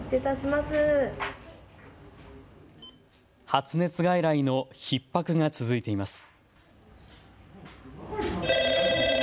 発熱外来のひっ迫が続いています。